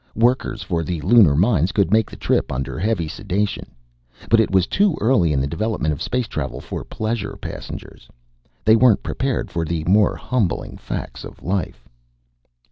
Workers for the lunar mines could make the trip under heavy sedation. But it was too early in the development of space travel for pleasure passengers. They weren't prepared for the more humbling facts of life.